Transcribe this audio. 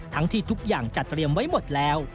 ที่ทุกอย่างจัดเตรียมไว้หมดแล้ว